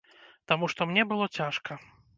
Таму што мне было цяжка.